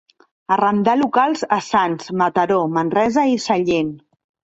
Arrendà locals a Sants, Mataró, Manresa i Sallent.